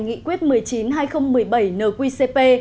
nghị quyết một mươi chín hai nghìn một mươi bảy nqcp